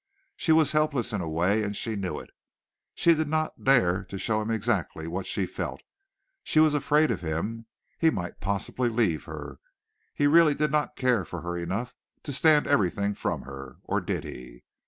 She was helpless in a way and she knew it. She did not dare to show him exactly what she felt. She was afraid of him. He might possibly leave her. He really did not care for her enough to stand everything from her or did he?